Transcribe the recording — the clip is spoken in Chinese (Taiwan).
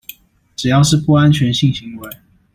只要是不安全性行為